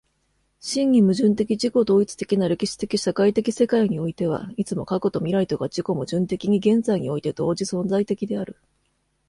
真に矛盾的自己同一的な歴史的社会的世界においては、いつも過去と未来とが自己矛盾的に現在において同時存在的である。